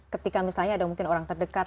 ketika misalnya ada mungkin orang terdekat